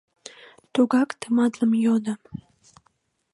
Тугак тыматлын йодо: